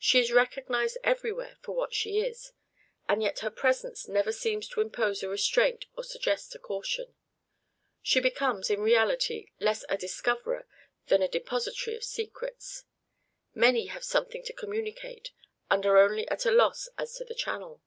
She is recognized everywhere for what she is; and yet her presence never seems to impose a restraint or suggest a caution. She becomes, in reality, less a discoverer than a depositary of secrets. Many have something to communicate, and are only at a loss as to the channel.